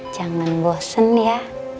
jangan bosen ya